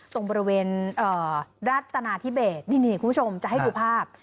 ตรงบริเวณรัฐนาธิเบสนี่คุณผู้ชมจะให้ดูภาพ